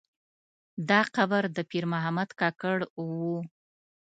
دا قبر د پیر محمد کاکړ و.